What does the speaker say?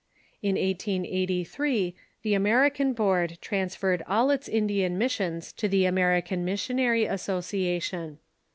In 1883 the American Board transferred all its Indian missions to the American ^Missionary Association.